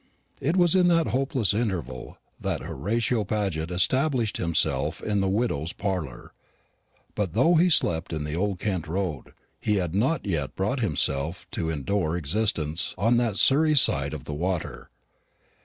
It was in that hopeless interval that Horatio Paget established himself in the widow's parlour. But though he slept in the Old Kent road, he had not yet brought himself to endure existence on that Surrey side of the water.